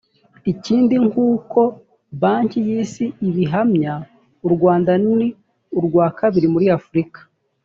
ikindi nk uko banki y isi ibihamya u rwanda ni urwa kabiri muri afurika